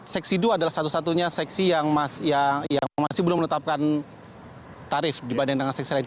seksi dua adalah satu satunya seksi yang masih belum menetapkan tarif dibanding dengan seksi lain